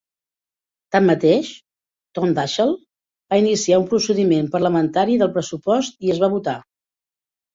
Tanmateix, Tom Daschle va iniciar un procediment parlamentari del pressupost i es va votar.